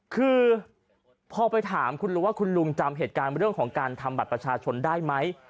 คือพอไปถามคุณลุงว่าคุณลุงจำเหตุการณ์เรื่องของการทำบัตรประชาชนได้ไหม